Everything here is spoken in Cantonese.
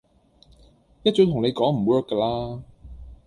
一早同你講唔 work 㗎啦